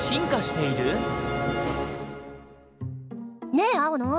ねえ青野！